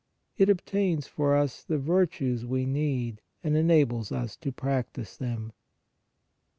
It obtains for us the virtues we need and enables us to practise them.